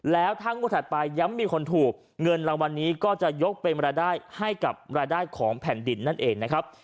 แล้วถ้างวดถัดไปย้ำมีคนถูกเงินรางวัลนี้ก็จะยกเป็นรายได้ให้กับรายได้ของแผ่นดินนั่นเองนะครับ